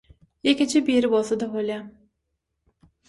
Ýekeje biri bolsa-da bolýar.